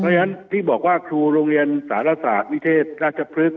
เพราะฉะนั้นที่บอกว่าครูโรงเรียนสารศาสตร์วิเทศราชพฤกษ